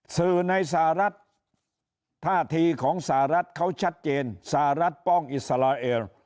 สื่อในสหรัฐท่าทีของสหรัฐเขาชัดเจนสหรัฐป้องอิสราเอล